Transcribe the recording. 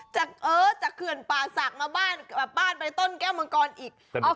จากเอนสติจากเผื่อนป่าสักมาบ้านไปต้นนแก้วมังกรอีก